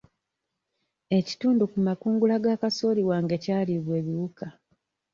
Ekitundu ku makungula ga kasooli wange kyalibwa ebiwuka.